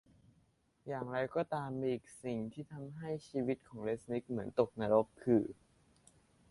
อย่างไรก็ตามยังมีอีกสิ่งที่ทำให้ชีวิตของเรซนิคเหมือนตกนรกคือ